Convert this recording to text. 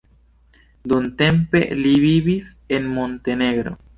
Dumtempe li vivis en Montenegro.